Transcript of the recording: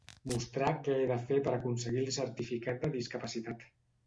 Mostrar què he de fer per aconseguir el certificat de discapacitat.